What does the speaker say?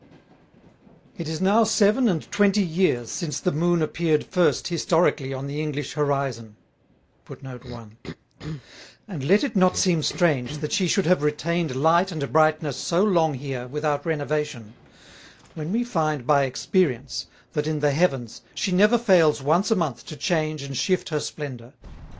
It is now Seven and Twenty Years, since the Moon appeared first Historically on the English Horizon: And let it not seem strange, that she should have retained Light and Brightness so long here, without Renovation; when we find by Experience, that in the Heavens, she never fails once a Month to Change and shift her Splendor.